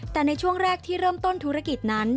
แต่ในช่วงแรกที่เริ่มต้นธุรกิจนั้น